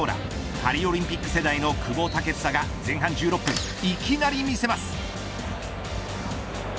パリオリンピック世代の久保建英が前半１６分、いきなり見せます。